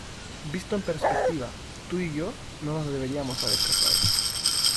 Visto en perspectiva, tú y yo no nos deberíamos haber casado.